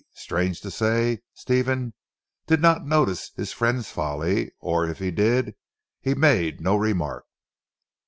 Strange to say Stephen did not notice his friend's folly, or if he did, he made no remark.